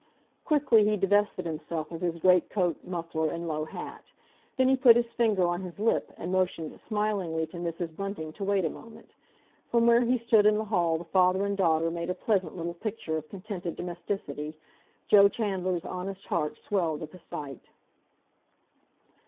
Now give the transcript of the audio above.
Quickly he divested himself of his great coat, muffler, and low hat. Then he put his finger on his lip, and motioned smilingly to Mrs. Bunting to wait a moment. From where he stood in the hall the father and daughter made a pleasant little picture of contented domesticity. Joe Chandler's honest heart swelled at the sight.